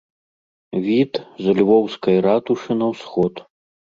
Від з львоўскай ратушы на ўсход.